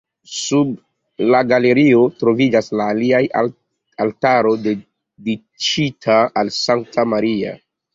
Sub la galerio troviĝas la alia altaro dediĉita al Sankta Maria.